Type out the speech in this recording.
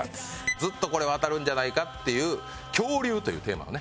ずっとこれは当たるんじゃないかっていう「恐竜」というテーマをね